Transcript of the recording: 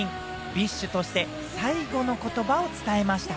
ＢｉＳＨとして最後の言葉を伝えました。